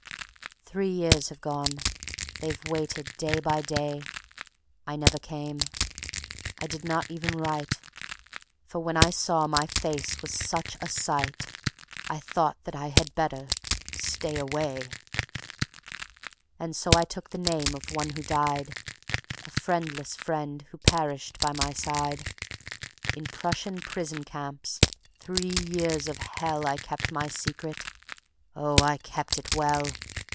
Three years have gone; they've waited day by day. I never came. I did not even write. For when I saw my face was such a sight I thought that I had better ... stay away. And so I took the name of one who died, A friendless friend who perished by my side. In Prussian prison camps three years of hell I kept my secret; oh, I kept it well!